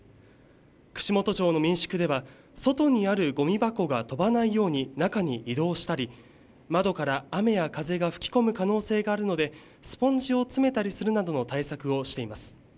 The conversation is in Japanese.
串本町の民宿では、外にあるごみ箱が飛ばないように中に移動したり、窓から雨や風が吹き込む可能性があるので、スポンジを詰めたりするなどの対策をしています。